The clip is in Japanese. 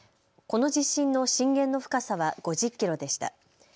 この地震の震源の深さは５０キロでした。